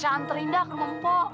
saya anterin dah ke lompok